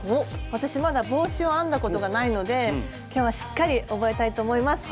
私まだ帽子を編んだことがないので今日はしっかり覚えたいと思います。